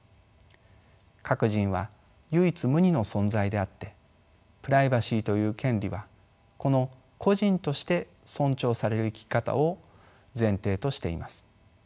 各人は唯一無二の存在であってプライバシーという権利はこの個人として尊重される生き方を前提としています。